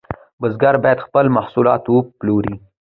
بزګر باید خپل محصول وپلوري.